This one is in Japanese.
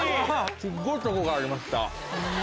すっごいとこがありました。